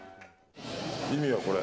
意味はこれ。